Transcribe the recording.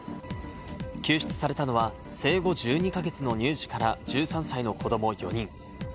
救出されたのは生後１２か月の乳児から１３歳の子ども４人。